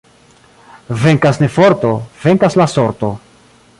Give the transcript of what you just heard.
Venkas ne forto, venkas la sorto.